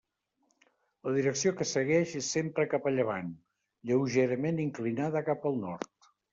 La direcció que segueix és sempre cap a llevant, lleugerament inclinada cap al nord.